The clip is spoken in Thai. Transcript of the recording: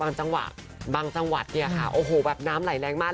จังหวะบางจังหวัดเนี่ยค่ะโอ้โหแบบน้ำไหลแรงมาก